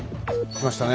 きましたね。